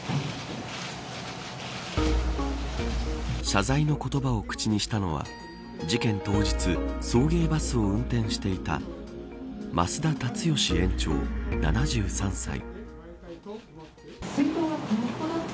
謝罪の言葉を口にしたのは事件当日送迎バスを運転していた増田立義園長、７３歳。